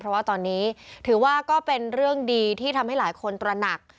เพราะว่าตอนนี้ถือว่าก็เป็นเรื่องดีที่ทำให้หลายคนตระหนัก